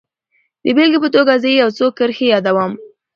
د بېلګې په توګه زه يې يو څو کرښې يادوم.